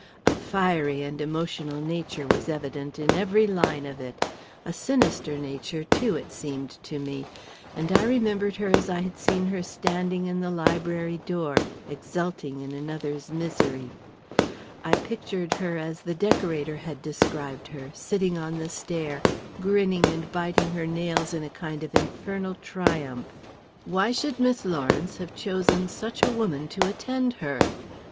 A fiery and emotional nature was evident in every line of it a sinister nature, too, it seemed to me and I remembered her as I had seen her standing in the library door, exulting in another's misery. I pictured her as the decorator had described her, sitting on the stair, grinning and biting her nails in a kind of infernal triumph. Why should Miss Lawrence have chosen such a woman to attend her?